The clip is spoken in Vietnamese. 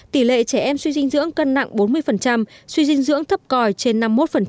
tỷ lệ trẻ em suy dinh dưỡng cân nặng bốn mươi suy dinh dưỡng thấp còi trên năm mươi một